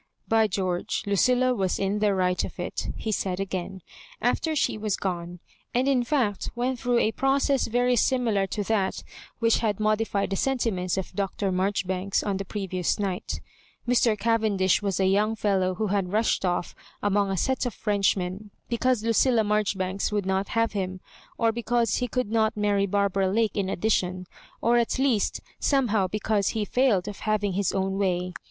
" By George I Lucilla was in the right of it," he said again, afler she was gone ; and in fact went through a process very similar to that which had modified the senti ments of Dr. Marjoribanks on the previous night Mr. Cavendish was a young fellow who had rushed off among a set of 'frenchmen, because Lu cilla Marjoribanks would not have him, or because he could not marry Barbara Lake in addition, or at least somehow because he failed of having his own way.